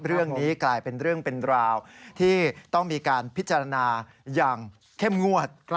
เรื่องนี้กลายเป็นเรื่องเป็นราวที่ต้องมีการพิจารณาอย่างเข้มงวด